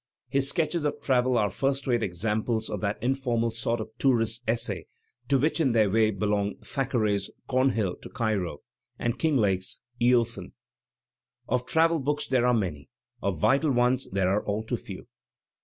His sketches of travel are first rate examples of that informal sort of tourists' essay to which in their way bdiong Thackeray's "Cornhill to Cairo" and Kinglake's "Eothen." Of travel books there are many; of vital ones there are all too few.